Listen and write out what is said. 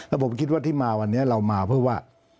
แล้วผมคิดว่าที่มาวันนี้เรามาเพื่อว่า